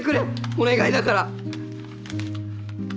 お願いだから。